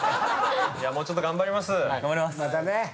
もうちょっと頑張ります。